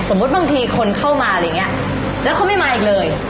บางทีคนเข้ามาอะไรอย่างเงี้ยแล้วเขาไม่มาอีกเลย